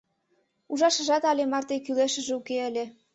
Ужашыжат але марте кӱлешыже уке ыле.